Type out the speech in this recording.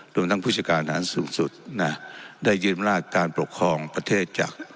รวมทั้งผู้จัดการฐานสูงสุดนะได้ยืมอำนาจการปกครองประเทศจาก